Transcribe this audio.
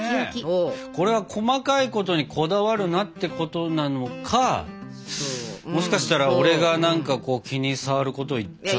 これは細かいことにこだわるなってことなのかもしかしたら俺が何か気に障ること言っちゃって。